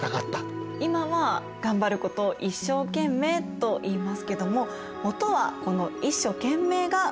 今は頑張ることを「一生懸命」といいますけどももとはこの「一所懸命」が由来だったんですね。